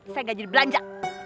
saya nggak jadi belanja